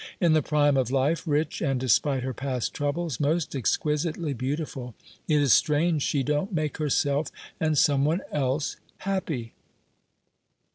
"In the prime of life, rich, and, despite her past troubles, most exquisitely beautiful, it is strange she don't make herself and some one else happy!"